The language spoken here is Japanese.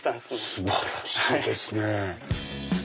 素晴らしいですね。